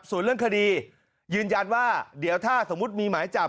ส่วนเรื่องคดียืนยันว่าเดี๋ยวถ้าสมมุติมีหมายจับ